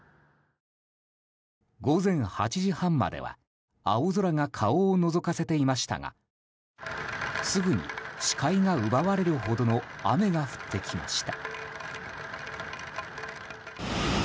午前８時半までは青空が顔をのぞかせていましたがすぐに視界が奪われるほどの雨が降ってきました。